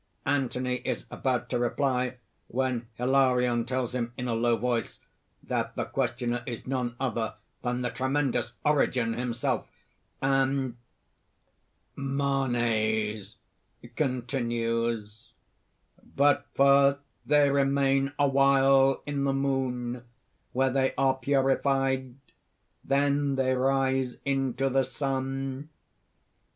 (_Anthony is about to reply when Hilarion tells him in a low voice that the questioner is none other than the tremendous Origen himself; and_: ) MANES (continues). "But first they remain awhile in the Moon, where they are purified. Then they rise into the sun."